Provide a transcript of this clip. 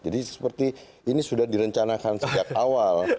jadi seperti ini sudah direncanakan sejak awal